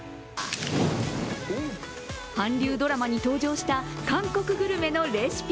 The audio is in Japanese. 韓流ドラマに登場した韓国グルメのレシピ。